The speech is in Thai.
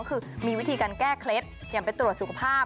ก็คือมีวิธีการแก้เคล็ดอย่างไปตรวจสุขภาพ